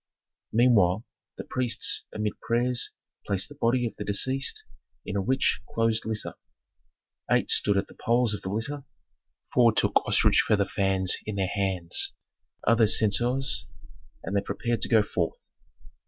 Meanwhile, the priests, amid prayers, placed the body of the deceased in a rich closed litter. Eight stood at the poles of the litter; four took ostrich feather fans in their hands, others censers, and they prepared to go forth.